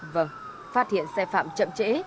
vâng phát hiện xe phạm chậm trễ